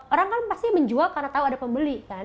orang kan pasti menjual karena tahu ada pembeli kan